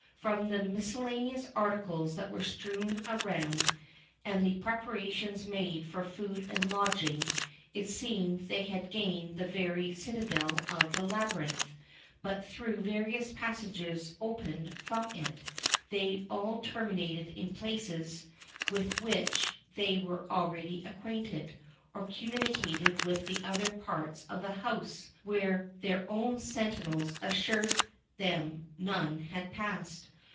From the miscellaneous articles that were strewed around, and the preparations made for food and lodging, it seemed they had gained the very citadel of the labyrinth; but though various passages opened from it, they all terminated in places with which they were already acquainted, or communicated with the other parts of the house, where their own sentinels assured them none had passed.